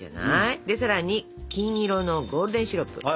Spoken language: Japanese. でさらに金色のゴールデンシロップ。